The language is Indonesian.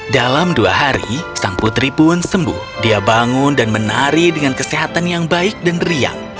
dalam dua hari sang putri pun sembuh dia bangun dan menari dengan kesehatan yang baik dan riang